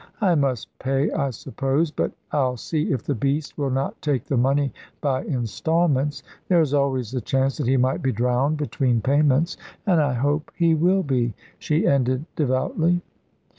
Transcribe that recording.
I must pay, I suppose, but I'll see if the beast will not take the money by instalments. There is always the chance that he might be drowned between payments and I hope he will be," she ended devoutly.